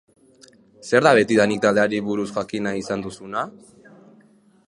Zer da betidanik taldeari buruz jakin nahi izan duzuna?